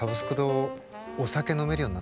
お酒飲めるようになったのね。